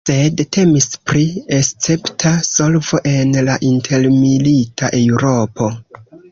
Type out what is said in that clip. Sed temis pri escepta solvo en la intermilita Eŭropo.